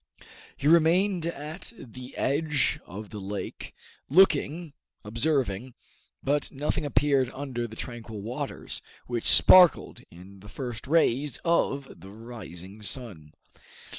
He remained at the edge of the lake, looking, observing; but nothing appeared under the tranquil waters, which sparkled in the first rays of the rising sun.